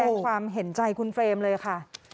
อ่าขอแสดงความเห็นใจคุณเฟรมเลยค่ะ